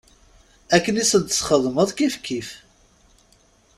Akken i sent-txedmemt kifkif.